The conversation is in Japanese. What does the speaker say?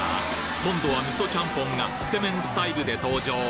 今度はみそチャンポンがつけ麺スタイルで登場！